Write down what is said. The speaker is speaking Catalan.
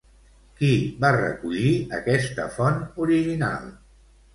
Qui va recollir aquesta font original?